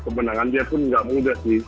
di kemenangan dia pun nggak mudah sih